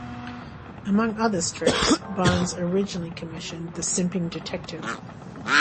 Among other strips, Barnes originally commissioned "The Simping Detective".